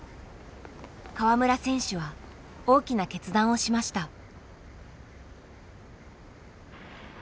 川村選手は大きな決断をしました。